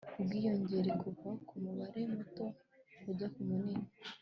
ubwiyongere kuva ku mubare muto ujya ku munini